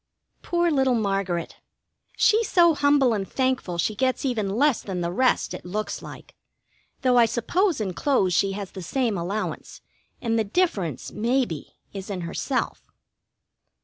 Poor little Margaret! She's so humble and thankful she gets even less than the rest, it looks like, though I suppose in clothes she has the same allowance, and the difference, maybe, is in herself.